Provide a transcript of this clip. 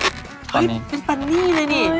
นี่เป็นปันนี่เลยนี่